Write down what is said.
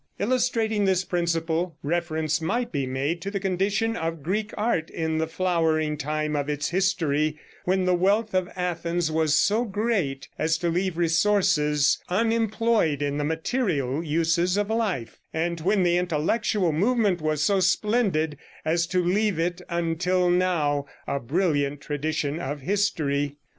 Illustrating this principle, reference might be made to the condition of Greek art in the flowering time of its history, when the wealth of Athens was so great as to leave resources unemployed in the material uses of life, and when the intellectual movement was so splendid as to leave it until now a brilliant tradition of history.